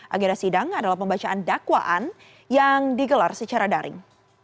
agenda sidang adalah pembacaan dakwaan yang digelar secara daring